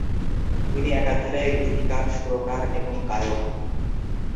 তিনি একাধারে গীতিকার, সুরকার এবং গায়ক।